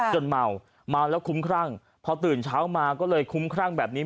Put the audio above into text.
เมาเมาแล้วคุ้มครั่งพอตื่นเช้ามาก็เลยคุ้มครั่งแบบนี้